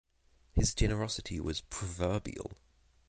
His generosity was proverbial.